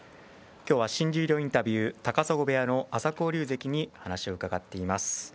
今日は新十両インタビュー高砂部屋の朝紅龍関に話を伺っています。